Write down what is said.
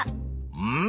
うん！